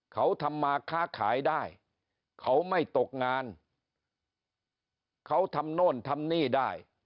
เขาทำมาค้าขายได้เขาไม่ตกงานเขาทำโน่นทำนี่ได้